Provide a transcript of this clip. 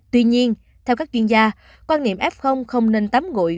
tuy nhiên theo các chuyên gia quan niệm f không nên tắm gội